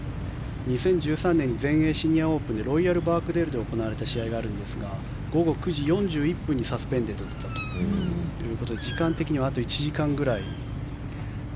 ２０１３年に全英シニアオープンでロイヤル・バークデールで行われた試合があるんですが午後９時４１分にサスペンデッドだったということで時間的にはあと１時間ぐらい。